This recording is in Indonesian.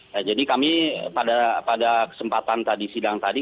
nah jadi kami pada kesempatan tadi sidang tadi